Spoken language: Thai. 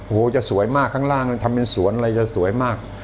โอ้โหจะสวยมากข้างล่างเลยทำเป็นสวนอะไรจะสวยมาก